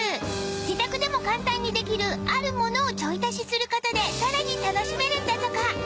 自宅でも簡単にできるあるものをちょい足しする事でさらに楽しめるんだとか